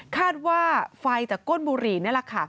คาดว่าไฟจากก้นบุหรี่นี่แหละค่ะ